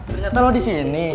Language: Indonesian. ternyata lo di sini